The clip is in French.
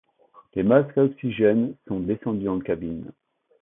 Les masques à oxygène sont descendus en cabine.